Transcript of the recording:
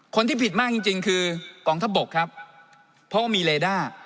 ผิดมากจริงจริงคือกองทัพบกครับเพราะว่ามีเลด้า